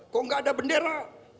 kok gak ada bendera